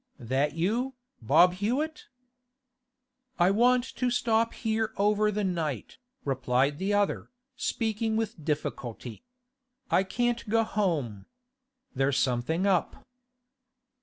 'That you, Bob Hewett?' 'I want to stop here over the night,' replied the other, speaking with difficulty. 'I can't go home. There's something up.